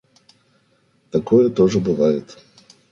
Такое тоже бывает.